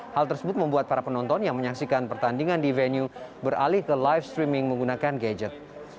hal tersebut membuat para penonton yang menyaksikan pertandingan di venue beralih ke live streaming menggunakan gadget